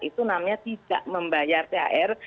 itu namanya tidak membayar thr